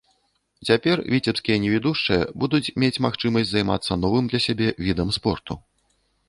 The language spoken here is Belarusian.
Цяпер віцебскія невідушчыя будуць мець магчымасць займацца новым для сябе відам спорту.